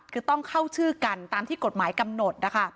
คือต้องเข้าชื่อกันตามที่กฎหมายกำหนดนะคะ